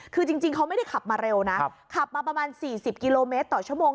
คือจริงเขาไม่ได้ขับมาเร็วนะขับมาประมาณ๔๐กิโลเมตรต่อชั่วโมง